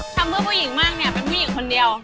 ทำเพื่อผู้หญิงมากเนี่ยเป็นผู้หญิงคนเดียว